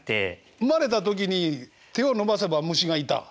生まれた時に手を伸ばせば虫がいた？